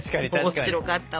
面白かったわ。